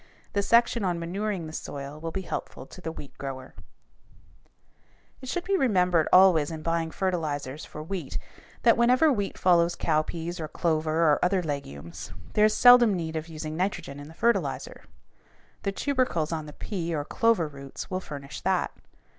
The section on manuring the soil will be helpful to the wheat grower. [Illustration: FIG. 197. A BOUNTIFUL CROP OF WHEAT] It should be remembered always in buying fertilizers for wheat that whenever wheat follows cowpeas or clover or other legumes there is seldom need of using nitrogen in the fertilizer; the tubercles on the pea or clover roots will furnish that.